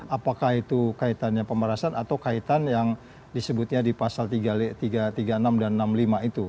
apakah itu kaitannya pemerasan atau kaitan yang disebutnya di pasal tiga enam dan enam lima itu